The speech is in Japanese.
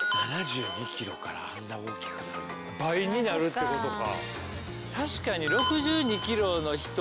いやでも倍になるってことか。